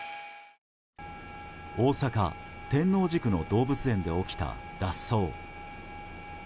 大阪・天王寺区の動物園で起きた脱走。